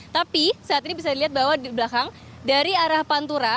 tapi saat ini bisa dilihat bahwa di belakang dari arah pantura